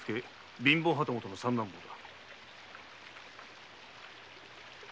貧乏旗本の三男坊だ。